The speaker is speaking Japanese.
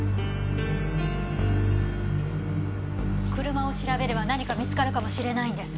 車を調べれば何か見つかるかもしれないんです。